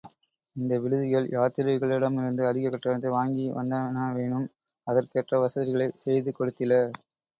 இந்த விடுதிகள் யாத்திரிகர்களிடமிருந்து அதிகக் கட்டணத்தை வாங்கி வந்தனவேனும், அதற்கேற்ற வசதிகளைச் செய்து கொடுத்தில.